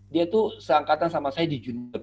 dia tuh seangkatan sama saya di juntep